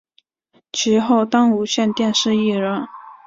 其后当无线电视艺人。